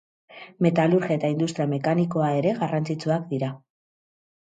Metalurgia eta industria mekanikoa ere garrantzitsuak dira.